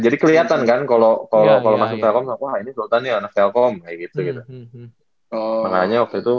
jadi keliatan kan kalo masuk telkom wah ini sultan ya anak telkom kayak gitu gitu